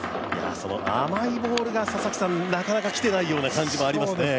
その甘いボールがなかなか来ていないような感じがしますよね。